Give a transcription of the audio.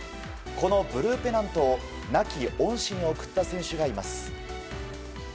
このブルーペナントを亡き恩師に贈った選手がいます。